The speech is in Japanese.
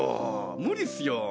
無理っすよ。